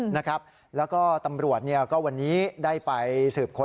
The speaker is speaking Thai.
นะครับแล้วก็ตำรวจก็วันนี้ได้ไปสืบค้น